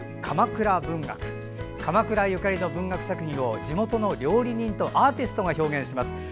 鎌倉ゆかりの文学作品を地元の料理人とアーティストが表現します。